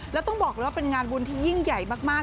แล้วต้องบอกเลยว่าเป็นงานบุญที่ยิ่งใหญ่มาก